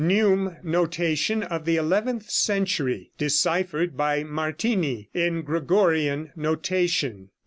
NEUME NOTATION OF THE ELEVENTH CENTURY, DECIPHERED BY MARTINI IN "GREGORIAN" NOTATION.